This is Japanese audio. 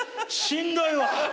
しんどいわ。